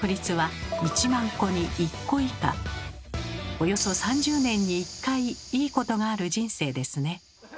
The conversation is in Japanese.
およそ３０年に１回いいことがある人生ですね。